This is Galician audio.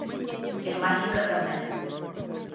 E máxica tamén.